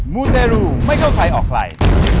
มูเตรูไม่เข้าใครออกใคร